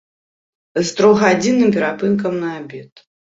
З трохгадзінным перапынкам на абед.